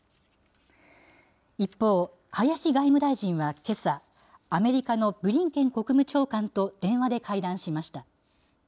一方、林外務大臣はけさ、アメリカのブリンケン国務長官と電話で会談しました。